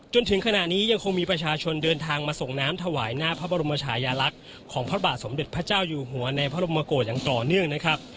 จนถึงขณะนี้ยังคงมีประชาชนเดินทางมาส่งน้ำถวายหน้าพระบรมชายาลักษณ์ของพระบาทสมเด็จพระเจ้าอยู่หัวในพระบรมโกศอย่างต่อเนื่องนะครับ